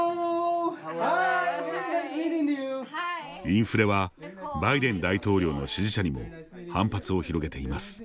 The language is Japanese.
インフレはバイデン大統領の支持者にも反発を広げています。